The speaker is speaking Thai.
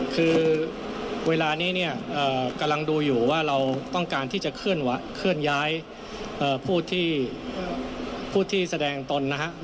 คือเวลานี้เนี่ยกำลังดูอยู่ว่าเราต้องการที่จะเคลื่อนย้ายผู้ที่แสดงตนนะครับ